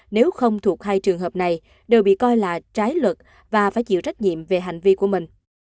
nếu không thuộc hai trường hợp này đều bị coi là trái luật và phải chịu trách nhiệm về hành vi của mình